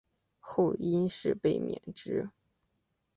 后因事被免职。